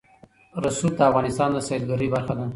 رسوب د افغانستان د سیلګرۍ برخه ده.